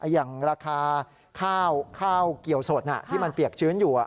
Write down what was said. อย่างราคาข้าวเกี่ยวสดที่มันเปียกชื้นอยู่